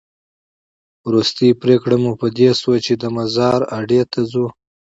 وروستۍ پرېکړه مو په دې شوه چې د مزار اډې ته ځو.